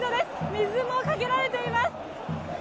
水もかけられています。